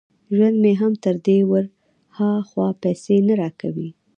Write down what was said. ژوند مې هم تر دې ور ها خوا پیسې نه را کوي